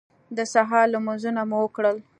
د سهار لمونځونه مو وکړل.